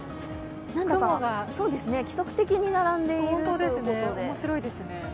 雲が規則的に並んでいて、おもしろいですね。